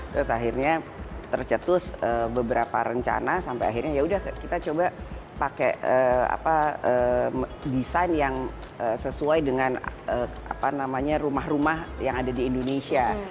terus akhirnya tercetus beberapa rencana sampai akhirnya yaudah kita coba pakai desain yang sesuai dengan rumah rumah yang ada di indonesia